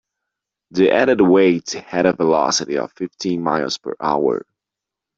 The added weight had a velocity of fifteen miles per hour.